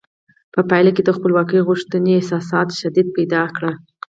په پایله کې د خپلواکۍ غوښتنې احساساتو شدت پیدا کړ.